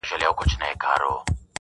• باد د غوجلې شاوخوا ګرځي او غلی غږ لري,